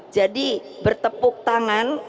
jadi bertepuk tangan